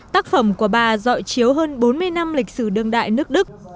tác phẩm của bà dọi chiếu hơn bốn mươi năm lịch sử đương đại nước đức